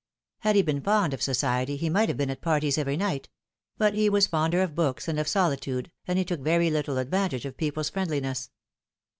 Had he been fond of society he might have been at parties every night ; but he was fonder of books and of solitude, and he took very little advantage of people's friend liness.